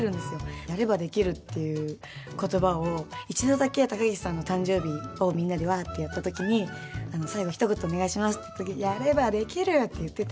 「やればできる！」っていう言葉を一度だけ高岸さんの誕生日をみんなで、わあってやった時に最後、ひと言お願いしますって言った時に「やればできる！」って言ってて。